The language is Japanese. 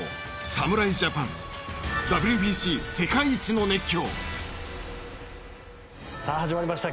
侍ジャパンＷＢＣ世界一の熱狂！』。